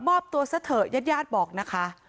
บอบตัวซะเถอะญาติบอกนะคะ